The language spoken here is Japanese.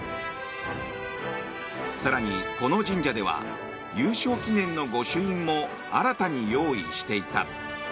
更に、この神社では優勝記念の御朱印も新たに用意していた。